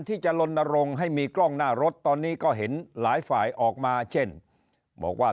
ที่จะลนรงค์ให้มีกล้องหน้ารถตอนนี้ก็เห็นหลายฝ่ายออกมาเช่นบอกว่า